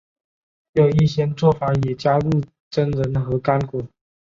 有一些做法也加入榛仁或干果。